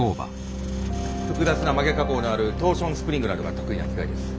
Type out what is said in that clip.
複雑な曲げ加工のあるトーションスプリングなどが得意な機械です。